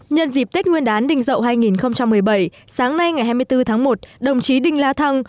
nhân dịp tết nguyên đán đình dậu hai nghìn một mươi bảy sáng nay ngày hai mươi bốn tháng một đồng chí đinh la thăng